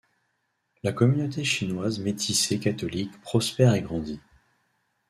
La communauté chinoise métissée catholique prospère et grandit.